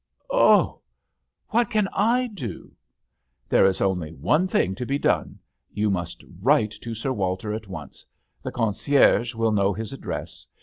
" Oh ! what can I do ?" "There is only one thing to be done — ^you must write to Sir Walter at once. The concierge will know his address.